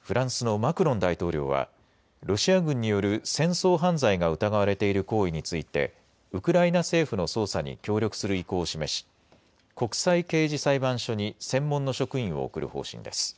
フランスのマクロン大統領はロシア軍による戦争犯罪が疑われている行為についてウクライナ政府の捜査に協力する意向を示し、国際刑事裁判所に専門の職員を送る方針です。